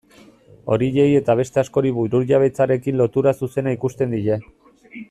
Horiei eta beste askori burujabetzarekin lotura zuzena ikusten die.